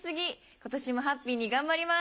今年もハッピーに頑張ります。